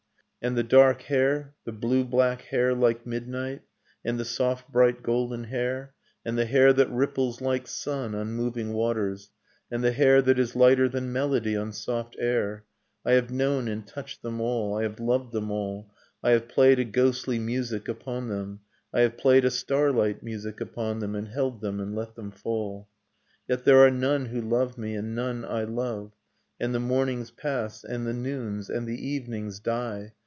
And the dark hair, the blue black hair like midnight, And the soft bright golden hair. And the hair that ripples like sun on moving waters, And the hair that is lighter than melody on soft air, — I have known and touched them all, I have loved them all, I have played a ghostly music upon them, I have played a starlight music upon them, and held them, and let them fall. ..... Yet there are none who love me, and none I love ; And the mornings pass; and the noons; and the j evenings die